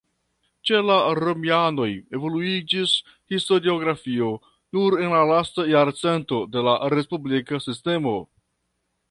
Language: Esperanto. Ĉe la romianoj evoluiĝis historiografio nur en la lasta jarcento de la respublika sistemo.